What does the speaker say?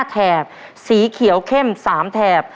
ถูกถูกถูกถูกถูก